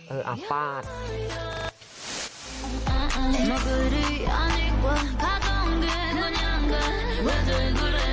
เออเอาเปล่า